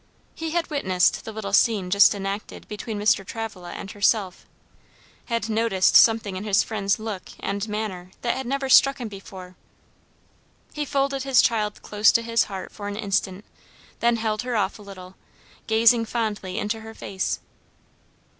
He had witnessed the little scene just enacted between Mr. Travilla and herself, had noticed something in his friend's look and manner that had never struck him before. He folded his child close to his heart for an instant then held her off a little, gazing fondly into her face.